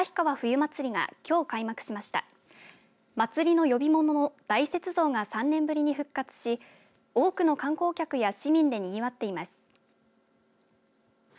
祭りの呼び物の大雪像が３年ぶりに復活し多くの観光客や市民でにぎわっています。